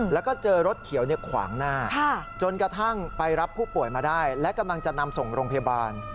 แล้วก็เจอรถเขียวขวางหน้าจนกระทั่งไปรับผู้ป่วยมาได้และกำลังจะนำส่งโรงพยาบาล